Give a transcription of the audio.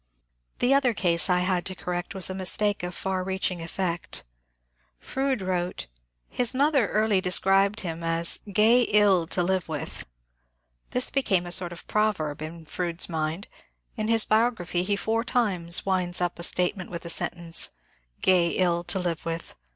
The other case I had to correct was a mistake of far reach ing effect. Froude wrote :^^ His mother early described him as ^ gay ill to live with.* '* This became a sort of proverb in Fronde's mind ; in his biography he four times winds up a statement with the sentence :^^ Gay ill to live with."